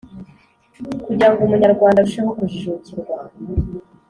kugira ngo umunyarwanda arusheho kujijukirwa,